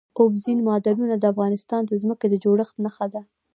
اوبزین معدنونه د افغانستان د ځمکې د جوړښت نښه ده.